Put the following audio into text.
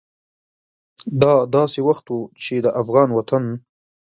دا داسې وخت و چې د افغان وطن